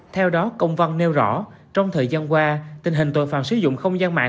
theo đó công văn nêu rõ trong thời gian qua tình hình tội phạm sử dụng không gian mạng